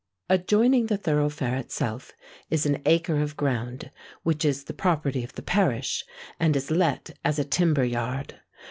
Adjoining the thoroughfare itself is an acre of ground, which is the property of the parish, and is let as a timber yard.